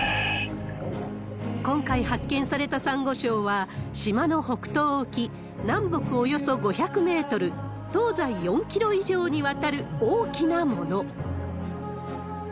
今回発見されたサンゴ礁は、島の北東沖、南北およそ５００メートル、東西４キロ以上にわたる大きなもの。